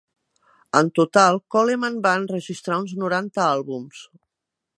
En total, Coleman va enregistrar uns noranta àlbums.